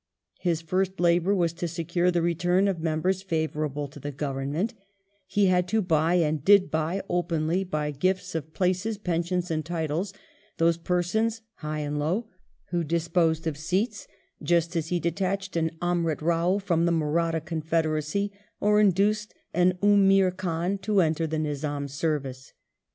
His first labour was to secure the return of members favourable to the Government He had to buy, and did buy openly by gifts of places, pensions, and titles, those persons high and low who disposed of seats, just as he detached an Amrut Rao from the Mahratta confederacy, or induced an Umeer Khan to enter the Nizam's service.